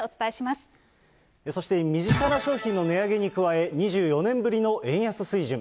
そして身近な商品の値上げに加え、２４年ぶりの円安水準。